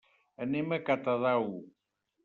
Anem a Catadau.